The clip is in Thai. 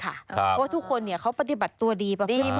เพราะว่าทุกคนเนี่ยเขาปฏิบัติตัวดีประมาณนี้